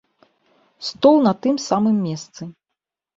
Стол на тым самым месцы.